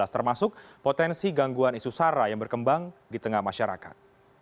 termasuk potensi gangguan isu sara yang berkembang di tengah masyarakat